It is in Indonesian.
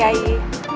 iya ibu tep